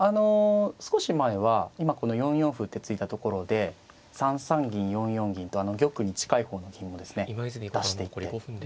少し前は今この４四歩って突いたところで３三銀４四銀と玉に近い方の銀をですね出していって。